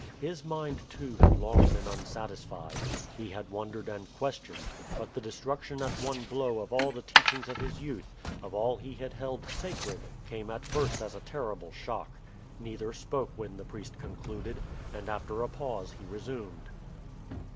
His mind, too, had long been unsatisfied. He had wondered and questioned, but the destruction at one blow of all the teachings of his youth, of all he had held sacred, came at first as a terrible shock. Neither spoke when the priest concluded, and after a pause he resumed.